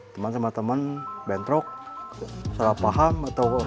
teman teman teman bentrok salah paham